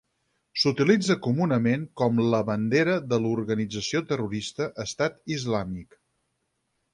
S'utilitza comunament com la bandera de l'organització terrorista Estat Islàmic.